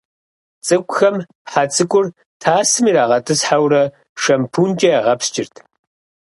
Цӏыкӏухэм хьэ цӀыкӀур тасым ирагъэтӀысхьэурэ шампункӀэ ягъэпскӀырт.